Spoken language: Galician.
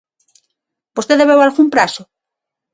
¿Vostede veu algún prazo?